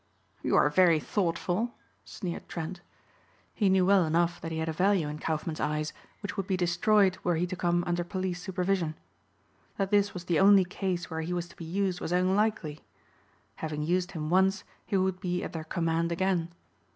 "You are very thoughtful," sneered Trent. He knew well enough that he had a value in Kaufmann's eyes which would be destroyed were he to come under police supervision. That this was the only case where he was to be used was unlikely. Having used him once he would be at their command again.